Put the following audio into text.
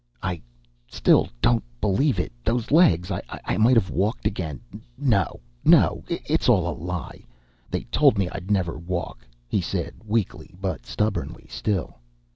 "I still don't believe it those legs. I might have walked again. No no, it's all a lie. They told me I'd never walk," he said, weakly but stubbornly still.